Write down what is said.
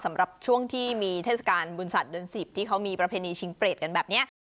สำหรับช่วงที่มีเทศกาลบุญสัตว์เดือน๑๐ที่เขามีประเพณีชิงเปรตกันแบบนี้